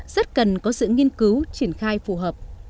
rất cần có sự nghiên cứu triển khai phù hợp